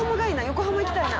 横浜行きたいな。